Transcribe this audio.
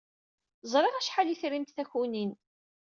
Ẓriɣ acḥal ay trimt takunin.